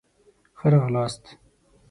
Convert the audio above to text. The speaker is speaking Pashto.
ښه راغلاست